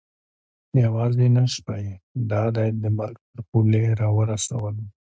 یوازې نن شپه یې دا دی د مرګ تر پولې را ورسولو.